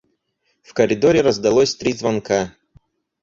В коридоре раздалось три звонка.